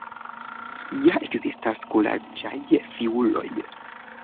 Ja ekzistas kuraĝaj fiuloj!